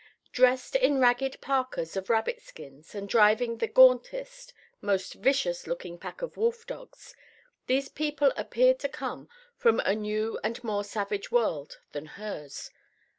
Dressed in ragged parkas of rabbit skins, and driving the gauntest, most vicious looking pack of wolf dogs, these people appeared to come from a new and more savage world than hers.